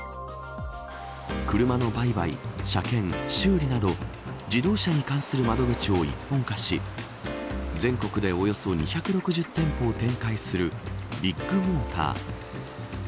車の売買、車検、修理など自動車に関する窓口を一本化し全国でおよそ２６０店舗を展開するビッグモーター。